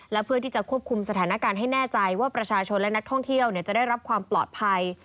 และเพื่อที่จะควบคุมสถานการณ์ให้แน่ใจว่าประชาชนและนักท่องเที่ยวจะได้รับความปลอดภัย